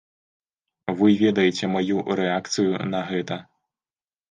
Вы ведаеце маю рэакцыю на гэта.